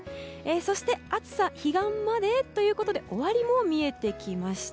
そして暑さ彼岸まで？ということで終わりも見えてきました。